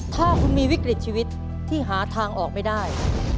ถ้าคุณมีวิกฤตชีวิตที่หาทางออกไม่ได้